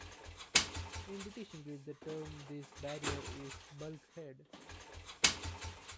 In British English, the term for this barrier is bulkhead.